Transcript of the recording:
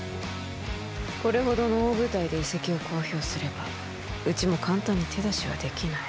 これほどの大舞台で移籍を公表すればうちも簡単に手出しはできない